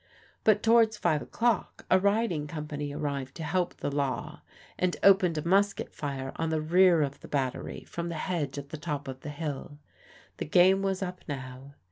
But towards five o'clock a riding company arrived to help the law, and opened a musket fire on the rear of the battery from the hedge at the top of the hill. The game was up now.